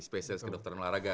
spesialis kedokteran luar raga